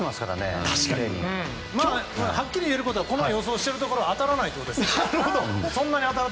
はっきり言えることは予想しているところは当たらないと思います。